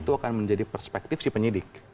bukan menjadi perspektif si penyidik